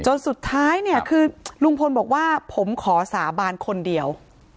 สุดท้ายเนี่ยคือลุงพลบอกว่าผมขอสาบานคนเดียว